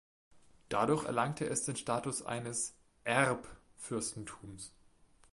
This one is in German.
Dadurch erlangte es den Status eines "Erb"fürstentums.